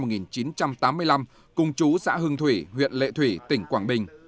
đinh ngọc huân sinh năm một nghìn chín trăm tám mươi năm cùng chú xã hưng thủy huyện lệ thủy tỉnh quảng bình